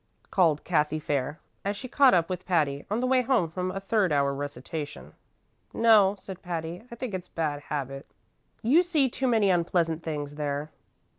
called Cathy Fair, as she caught up with Patty on the way home from a third hour recitation. "No," said Patty; "I think it's a bad habit. You see too many unpleasant things there."